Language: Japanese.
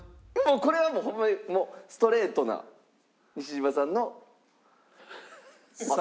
これはホンマにもうストレートな西島さんの。